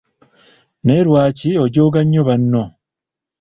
Naye lwaki ojooga nnyo banno?